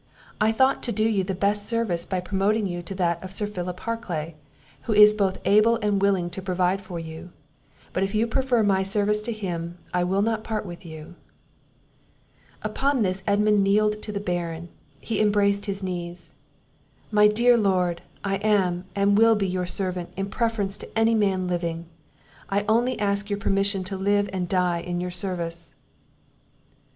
I thought to do you the best service by promoting you to that of Sir Philip Harclay, who is both able and willing to provide for you; but if you prefer my service to his, I will not part with you." Upon this Edmund kneeled to the Baron; he embraced his knees. "My dear Lord! I am, and will be your servant, in preference to any man living; I only ask your permission to live and die in your service."